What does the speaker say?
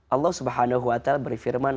allah swt berfirman